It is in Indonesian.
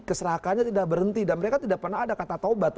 keserakannya tidak berhenti dan mereka tidak pernah ada kata taubat